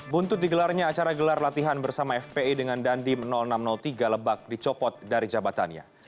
buntut digelarnya acara gelar latihan bersama fpi dengan dandim enam ratus tiga lebak dicopot dari jabatannya